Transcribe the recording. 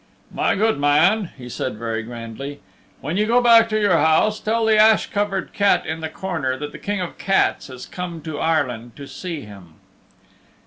"My good man," said he very grandly, "when you go back to your house, tell the ash covered cat in the corner that the King of the Cats has come to Ireland to see him."